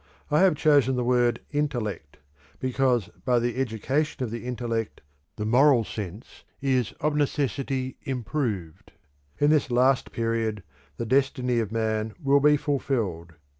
I have chosen the word Intellect, because by the education of the intellect the moral sense is of necessity improved. In this last period the destiny of Man will be fulfilled.